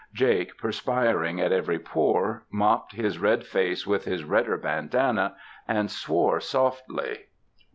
Jake, perspiring at every pore, mopped his red face with his redder bandanna and swore softly.